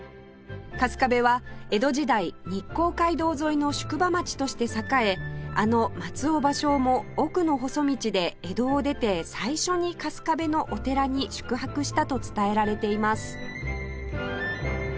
春日部は江戸時代日光街道沿いの宿場町として栄えあの松尾芭蕉も『奥の細道』で江戸を出て最初に春日部のお寺に宿泊したと伝えられています